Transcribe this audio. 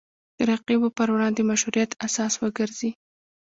د رقیبو پر وړاندې مشروعیت اساس وګرځي